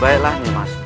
baiklah nih mas